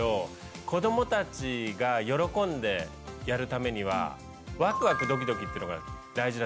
子どもたちが喜んでやるためにはワクワクドキドキっていうのが大事だと思うんですよね。